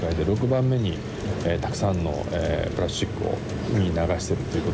เท่าที่สูงสุดมันเป็นอีกประเทศที่เกิดอีก